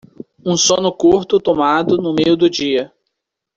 Um sono curto, tomado no meio do dia.